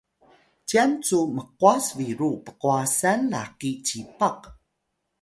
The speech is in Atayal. cyan cu mqwas biru pqwasan laqi cipaq